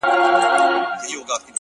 په دې وطن کي په لاسونو د ملا مړ سوم _